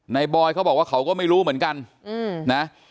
บอยเขาบอกว่าเขาก็ไม่รู้เหมือนกันนะ